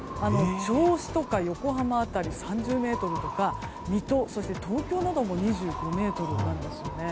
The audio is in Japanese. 銚子とか横浜辺りは３０メートルとか水戸、東京なども２５メートルなんですね。